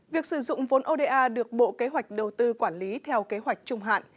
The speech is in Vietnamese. việc sử dụng vốn oda được bộ kế hoạch đầu tư quản lý theo kế hoạch trung hạn